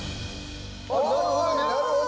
なるほど。